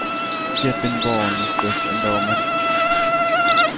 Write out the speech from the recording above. He had been born with this endowment.